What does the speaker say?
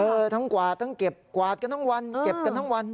เออทั้งกวาดทั้งเก็บกวาดกันทั้งวัน